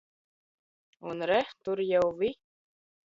Un, re, tur jau vi?